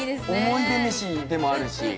思い出めしでもあるし。